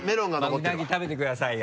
うなぎ食べてくださいよ。